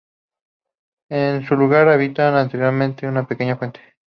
En su lugar había anteriormente una pequeña fuente.